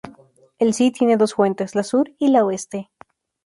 El Zi tiene dos fuentes: la sur y la oeste.